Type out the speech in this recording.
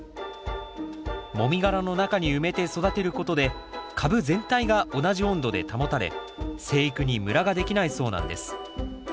もみ殻の中に埋めて育てることで株全体が同じ温度で保たれ生育にムラができないそうなんです。